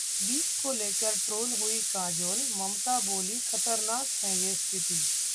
beef को लेकर troll हुईं काजोल, ममता बोलीं- खतरनाक है ये स्थिति